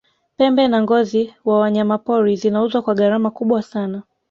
pembe na ngozi wa wanyamapori zinauzwa kwa gharama kubwa sana